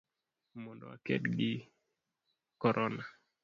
mondo waked gi Corona.